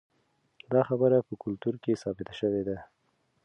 دا خبره په کلتور کې ثابته شوې ده.